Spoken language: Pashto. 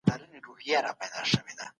د يو زر څلور سوه څلورم کال